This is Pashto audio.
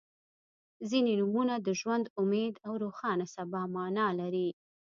• ځینې نومونه د ژوند، امید او روښانه سبا معنا لري.